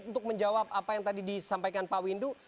untuk menjawab apa yang tadi disampaikan pak windu